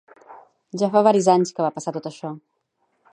Ja fa varis anys que va passar tot això.